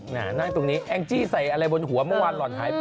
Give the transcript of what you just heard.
นั่งตรงนี้แองจี้ใส่อะไรบนหัวเมื่อวานหล่อนหายไป